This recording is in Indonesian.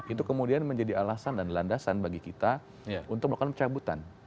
itu kemudian menjadi alasan dan landasan bagi kita untuk melakukan pencabutan